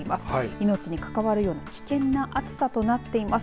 命に関わるような危険な暑さとなっています。